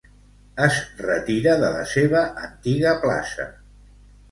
Es retira de la seva antiga plaça.